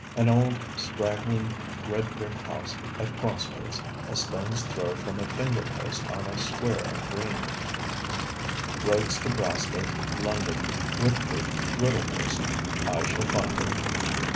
An old straggling red brick house at Crossways, a stone's throw from a fingerpost on a square of green: roads to Brasted, London, Wickford, Riddlehurst. I shall find it.